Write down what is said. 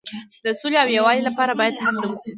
د سولې او یووالي لپاره باید هڅې وشي.